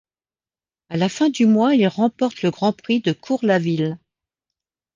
À la fin du mois, il remporte le Grand Prix de Cours-la-Ville.